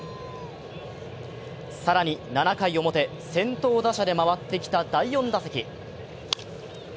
更に７回表、先頭打者で回ってきた第４打席。